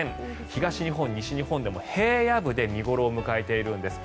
東日本、西日本でも平野部で見頃を迎えているんです。